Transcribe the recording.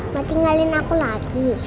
mau tinggalin aku lagi